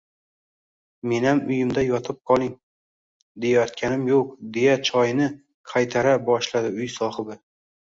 Menam uyimda yotib qoling, deyayotganim yo`q, deya choyni qaytara boshladi uy sohibi